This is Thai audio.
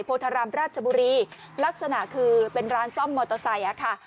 โพธารามราชบุรีลักษณะคือเป็นร้านซ่อมมอเตอร์ไซค์ค่ะ